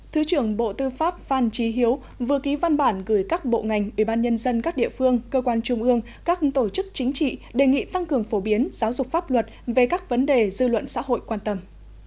thứ trưởng bộ tư pháp phan trí hiếu vừa ký văn bản gửi các bộ ngành ubnd các địa phương cơ quan trung ương các tổ chức chính trị đề nghị tăng cường phổ biến giáo dục pháp luật về các vấn đề dư luận xã hội quan tâm